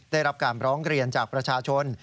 ได้รับการร้องเรียนจากประชาชน